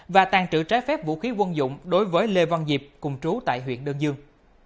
và tàn trữ trái phép vũ khí quân dụng đối với lê văn diệp cùng trú tại huyện đơn dương